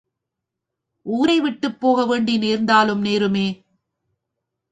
ஊரை விட்டுப் போக வேண்டி நேர்ந்தாலும் நேருமே!